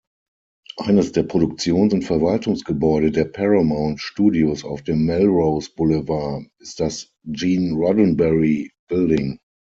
Eines der Produktions- und Verwaltungsgebäude der Paramount-Studios auf dem Melrose Boulevard ist das Gene-Roddenberry-Building.